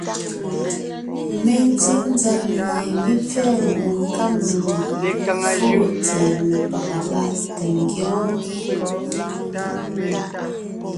Mentí nzab mie mé pfɛ́ɛ ngwòŋ Kamelûm fóo tsɛ̀ɛ mepaga láʼ tà ngyɔ́ɔn.